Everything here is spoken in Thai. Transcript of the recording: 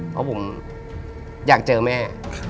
เพราะผมอยากเจอแม่